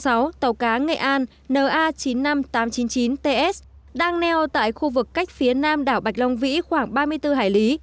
tàu cá nghệ an na chín mươi năm nghìn tám trăm chín mươi chín ts đang neo tại khu vực cách phía nam đảo bạch long vĩ khoảng ba mươi bốn hải lý